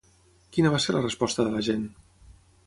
Quina va ser la resposta de la gent?